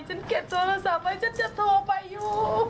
ฉันเก็บโทรศัพท์ไว้ฉันจะโทรไปอยู่